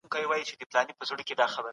موږ د روښانه فکر خاوندان يو.